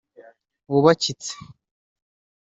wubakitse